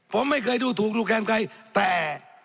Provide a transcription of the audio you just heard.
ผมไม่เคยดูถูกดูแคมใครแต่